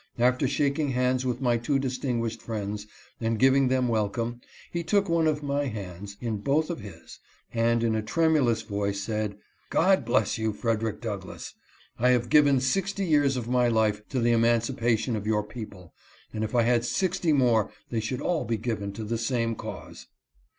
After shaking hands with my two distinguished friends, and giving them welcome, he took one of my author's reflections. 301 liands in both of his, and, in a tremulous voice, said, " God bless you, Frederick Douglass ! I have given sixty years of my life to the emancipation of your people, and if I had sixty years more they should all be given to the same cause."